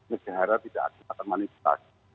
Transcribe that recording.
negara tidak akan manipulasi